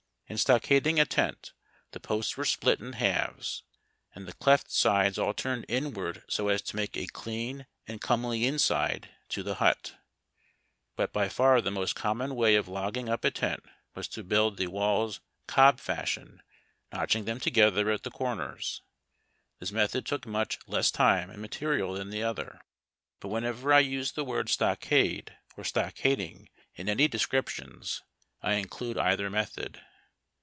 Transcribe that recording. In stockading a tent the posts were split in halves, and the cleft sides all turned inward so as to make a clean and comely inside to the hut. But by far the most common way of log ging up a tent was to build the walls " cob fashion," notch ing them together at the corners. This method took much less time and material tlian the other. But whenever I use the word stockade or stockading in any descri})tions T include either method.